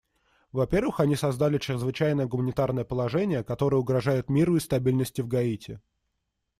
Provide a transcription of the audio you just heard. Во-первых, они создали чрезвычайное гуманитарное положение, которое угрожает миру и стабильности в Гаити.